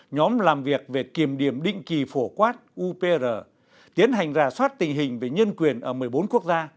nhóm làm việc về kiềm điểm định kỳ phổ quát upr tiến hành rà soát tình hình về nhân quyền ở một mươi bốn quốc gia